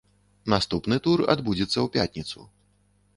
Наступны тур адбудзецца ў пятніцу.